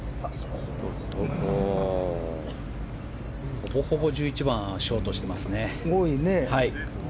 ほぼほぼ１１番はショートしていますね。